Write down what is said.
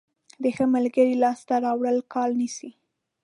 د ښه ملګري لاسته راوړل کال نیسي.